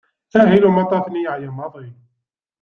Ahil umaṭṭaf-nni yeɛya maḍi.